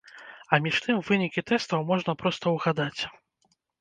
А між тым, вынікі тэстаў можна проста ўгадаць.